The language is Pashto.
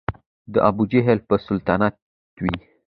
د ابوجهل به سلطنت وي